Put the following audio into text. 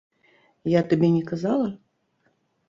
Я табе не казала?